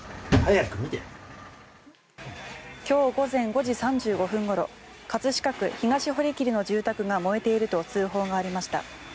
今日午前５時３５分ごろ葛飾区東堀切の住宅が燃えていると通報がありました。